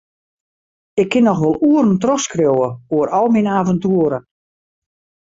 Ik kin noch wol oeren trochskriuwe oer al myn aventoeren.